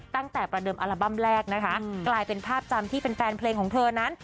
ประเดิมอัลบั้มแรกนะคะกลายเป็นภาพจำที่แฟนเพลงของเธอนั้น